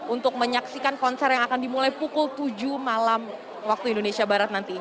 untuk menyaksikan konser yang akan dimulai pukul tujuh malam waktu indonesia barat nanti